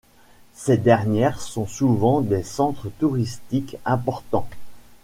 Ces dernières sont souvent des centres touristiques importants.